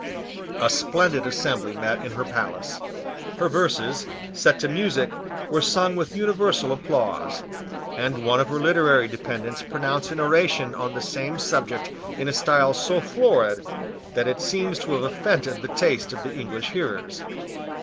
A splendid assembly met in her palace. Her verses, set to music, were sung with universal applause: and one of her literary dependents pronounced an oration on the same subject in a style so florid that it seems to have offended the taste of the English hearers.